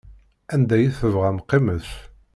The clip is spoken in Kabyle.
Anda i tebɣam qqimet.